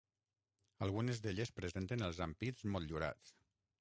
Algunes d'elles presenten els ampits motllurats.